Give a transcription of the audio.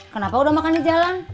kenapa udah makan di jalan